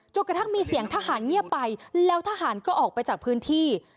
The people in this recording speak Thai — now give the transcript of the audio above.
กระทั่งมีเสียงทหารเงียบไปแล้วทหารก็ออกไปจากพื้นที่